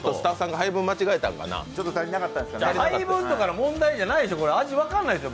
配分とかの問題じゃないでしょ、味分かんないよ。